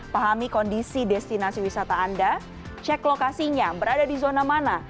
pahami kondisi destinasi wisata anda cek lokasinya berada di zona mana